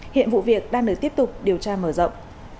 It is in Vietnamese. hiện vụ việc đang được tiếp tục điều tra mở rộng